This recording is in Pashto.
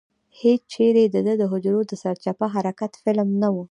هېچېرې دده د حجرو د سرچپه حرکت فلم نه و.